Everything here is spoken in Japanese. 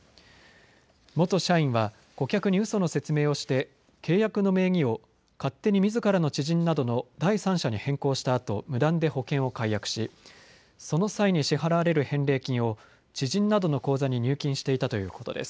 元社員は顧客にうその説明をして契約の名義を勝手にみずからの知人などの第三者に変更したあと無断で保険を解約し、その際に支払われる返戻金を知人などの口座に入金していたということです。